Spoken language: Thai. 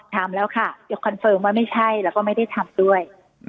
ทำแล้วค่ะเดี๋ยวคอนเฟิร์มว่าไม่ใช่แล้วก็ไม่ได้ทำด้วย